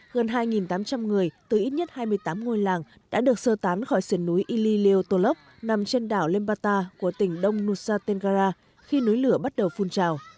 gần hai tám trăm linh người từ ít nhất hai mươi tám ngôi làng đã được sơ tán khỏi sườn núi ili leotolov nằm trên đảo lembata của tỉnh đông nusa tenggara khi núi lửa bắt đầu phun trào